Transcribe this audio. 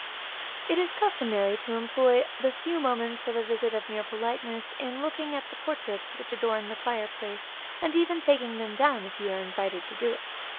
It is customary to employ the few moments of a visit of mere politeness, in looking at the portraits which adorn the fireplace, and even taking them down, if you are invited to do it.